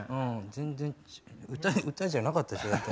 全然歌じゃなかったし大体。